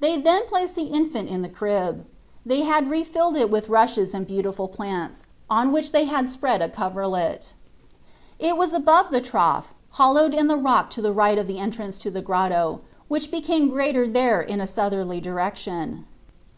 They then placed the infant in the crib. They had re filled it with rushes and 3esus Gbrist. 87 beautiful plants, on which they had spread a coverlet. It was above the trough, hollowed in the rock to the right of the entrance to the grotto, which became larger there in a southerly direction.